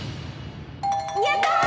やったー！